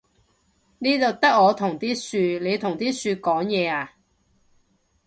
呢度得我同啲樹，你同啲樹講嘢呀？